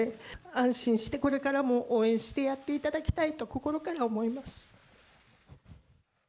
安心してこれからも応援してやっていただきたいと、心から思います。